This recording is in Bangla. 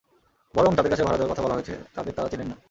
বরং যাঁদের কাছে ভাড়া দেওয়ার কথা বলা হয়েছে, তাঁদের তাঁরা চেনেন না।